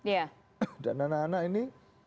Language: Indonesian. ya dan anak anak ini